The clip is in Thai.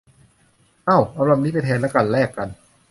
เอ้า เอาลำนี้ไปแทนละกัน แลกกัน